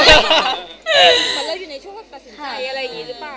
มันเรื่อยอยู่ในช่วงกับกัดสนใจอะไรอีกหรือเปล่า